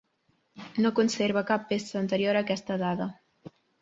No conserva cap peça anterior a aquesta dada.